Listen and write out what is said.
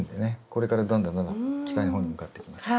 これからどんどんどんどん北日本に向かっていきます。